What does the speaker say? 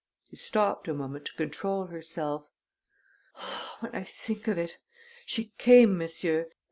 She stopped a moment to control herself. "Ah, when I think of it! She came, monsieur.